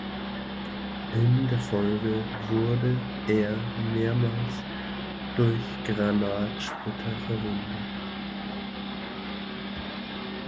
In der Folge wurde er mehrmals durch Granatsplitter verwundet.